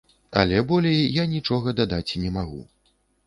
Але болей я нічога дадаць не магу.